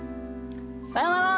さようなら。